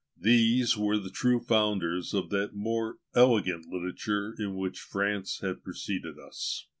These were the true founders of that more elegant literature in which France had preceded us.